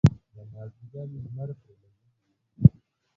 د مازدیګر لمر پرې لګیږي.